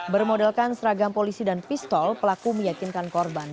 bermodalkan seragam polisi dan pistol pelaku meyakinkan korban